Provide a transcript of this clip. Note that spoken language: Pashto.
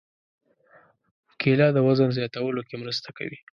کېله د وزن زیاتولو کې مرسته کوي.